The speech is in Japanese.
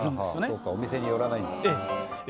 そうかお店に寄らないんだえ